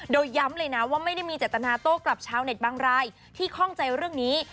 โดยย้ำเลยนะว่าไม่ได้มีเจตนาโต้กลับชาวเน็ตบางรายที่ข้องใจเรื่องนี้